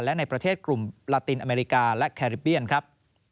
และในประเทศกลุ่มลาตินอเมริกาและแคริเบียนครับ